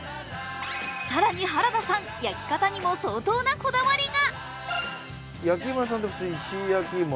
更に原田さん、焼き方にも相当なこだわりも。